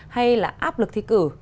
hay là áp lực thi cử